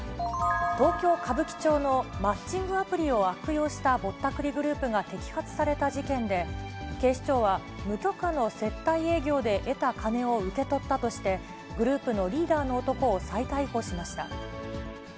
東京・歌舞伎町のマッチングアプリを悪用したぼったくりグループが摘発された事件で、警視庁は無許可の接待営業で得た金を受け取ったとして、グループのリーダーの男を再逮捕しました。